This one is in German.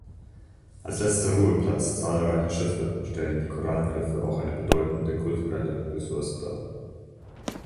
Als letzter Ruheplatz zahlreicher Schiffe stellen die Korallenriffe auch eine bedeutende kulturelle Ressource dar.